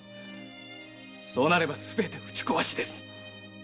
そうなればすべて打ち壊しです！